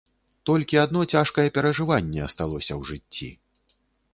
Толькі адно цяжкае перажыванне асталося ў жыцці.